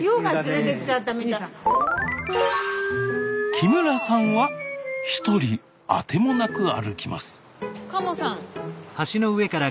木村さんは一人あてもなく歩きますカモさん。